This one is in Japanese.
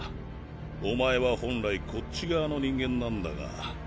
お前は本来こっち側の人間なんだが。